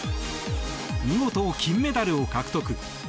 見事、金メダルを獲得！